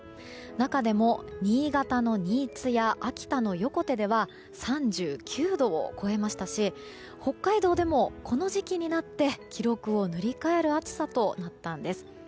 中でも、新潟の新津や秋田の横手では３９度を超えましたし北海道でも、この時期になって記録を塗り替える暑さとなったんです。